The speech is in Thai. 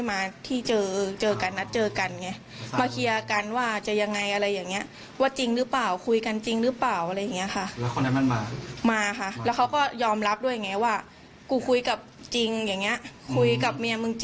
ฟังเสียงญาติของผู้ก่อเหตุหน่อยครับ